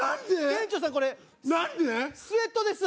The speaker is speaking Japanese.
店長さんこれスエットです。